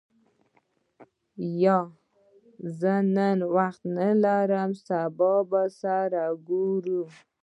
یا، زه نن وخت نه لرم سبا به سره ګورو.